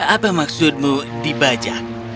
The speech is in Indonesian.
apa maksudmu dibajak